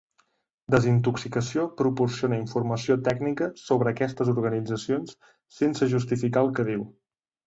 Desintoxicació proporciona informació tècnica sobre aquestes organitzacions, sense justificar el que diu.